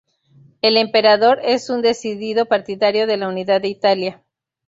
El emperador es un decidido partidario de la unidad de Italia.